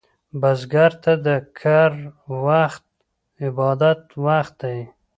بزګر ته د کر وخت عبادت وخت دی